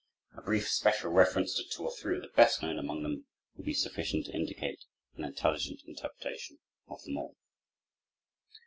A brief, special reference to two or three of the best known among them will be sufficient to indicate an intelligent interpretation of them all.